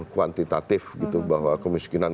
kuantitatif gitu bahwa kemiskinan